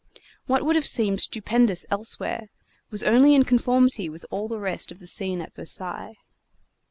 What would have seemed stupendous elsewhere was only in conformity with all the rest of the scene at Versailles.